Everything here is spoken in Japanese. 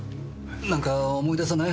何か思い出さない？